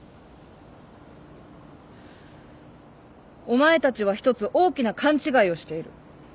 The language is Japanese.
お前たちは一つ大きな勘違いをしている。